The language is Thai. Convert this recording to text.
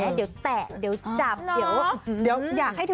ไหมเดี๋ยวแตะอ่ะกลับ